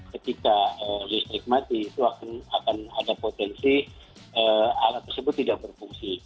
ketika listrik mati itu akan ada potensi alat tersebut tidak berfungsi